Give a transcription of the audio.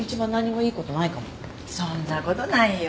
そんなことないよ。